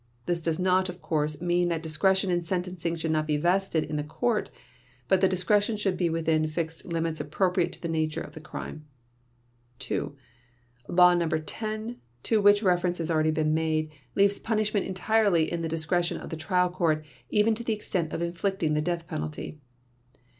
This does not, of course, mean that discretion in sentencing should not be vested in the court; but the discretion should be within fixed limits appropriate to the nature of the crime. 2. Law No. 10, to which reference has already been made, leaves punishment entirely in the discretion of the trial court even to the extent of inflicting the death penalty.